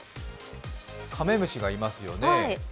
カメムシがいますよね。